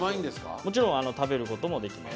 もちろん食べることもできます。